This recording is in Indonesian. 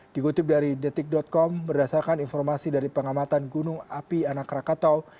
dikutip dari detik com berdasarkan informasi dari pengamatan gunung api anak rakatau